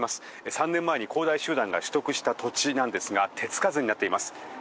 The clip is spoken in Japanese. ３年前に恒大集団が取得した土地なんですが手付かずになっています。